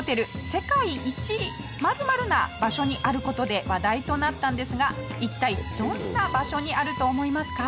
世界一○○な場所にある事で話題となったんですが一体どんな場所にあると思いますか？